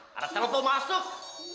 ah ada telepon masuk